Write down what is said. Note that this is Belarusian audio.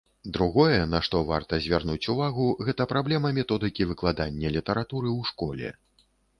Другое, на што варта звярнуць увагу, гэта праблема методыкі выкладання літаратуры ў школе.